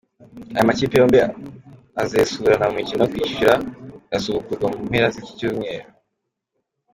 Aya makipe yombi azesurana mu mikino yo kwishyura irasubukurwa mu mpera z’iki cyumweru.